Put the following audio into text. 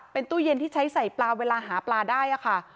เป็นตู้เย็นที่ใช้ใส่ปลาเวลาหาปลาได้ค่ะ